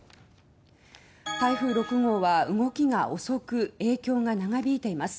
台風６号は動きが遅く影響が長引いています。